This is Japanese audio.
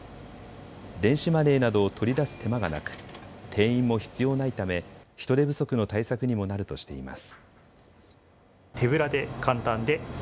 電子マネーなどを取り出す手間がなく店員も必要ないため人手不足の対策にもなるとしています。